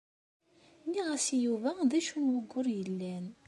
Nniɣ-as i Yuba d acu n wugur yellan.